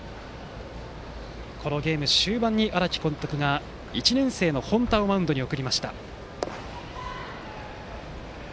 このゲーム終盤に荒木監督が１年生の本田をマウンドに送りました。